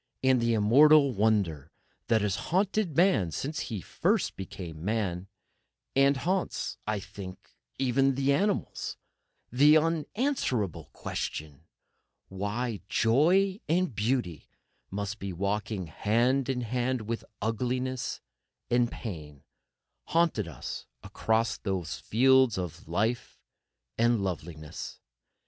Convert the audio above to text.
And the immortal wonder that has haunted man since first he became man, and haunts, I think, even the animals—the unanswerable question,—why joy and beauty must ever be walking hand in hand with ugliness and pain haunted us across those fields of life and loveliness.